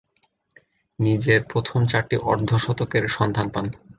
নিজের প্রথম চারটি অর্ধ-শতকের সন্ধান পান।